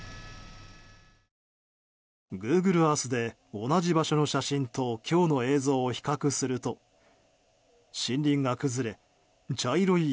グーグルアースで同じ場所の写真と今日の映像を比較すると森林が崩れ茶色い